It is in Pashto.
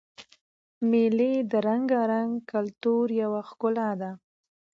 مېلې د رنګارنګ کلتور یوه ښکلا ده.